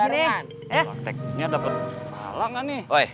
fraktek ini ada perpala ga nih